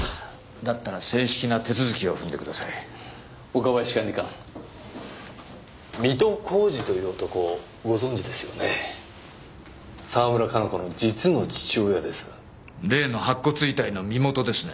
だったら正式な手続きを踏んでください岡林管理官水戸浩司という男をご存じですよね沢村加奈子の実の父親です例の白骨遺体の身元ですね